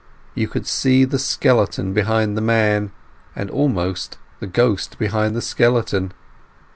You could see the skeleton behind the man, and almost the ghost behind the skeleton.